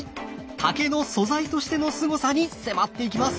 竹の素材としてのすごさに迫っていきます！